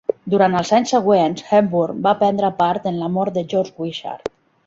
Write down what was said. Durant els anys següents, Hepburn va prendre part en la mort de George Wishart.